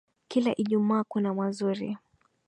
Kila ijumaa kuna mazuri.